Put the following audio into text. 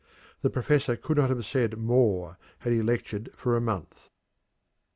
The professor could not have said more had he lectured for a month.